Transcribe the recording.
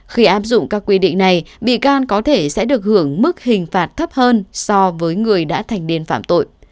khi áp dụng các quy định này bị can có thể sẽ được hưởng mức hình phạt thấp hơn so với người đã thành niên phạm tội